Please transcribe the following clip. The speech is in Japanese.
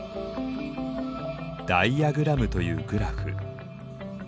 ダイアグラムというグラフ。